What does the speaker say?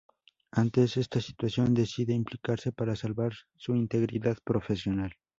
Ante esta situación decide implicarse para salvar su integridad profesional.